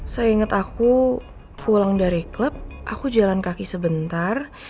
saya ingat aku pulang dari klub aku jalan kaki sebentar